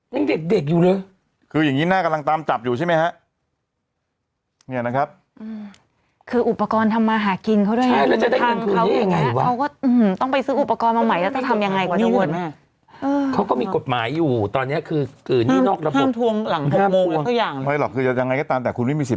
ตั้งแต่คุณไม่มีสิทธิ์ไปทำร้ายร้านเขาแบบนี้